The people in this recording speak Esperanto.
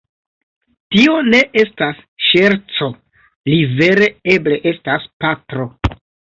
Tio ne estas ŝerco, li vere eble estas patro